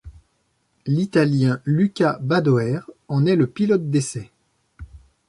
L'Italien Luca Badoer en est le pilote d'essai.